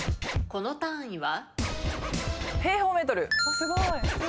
この単位は？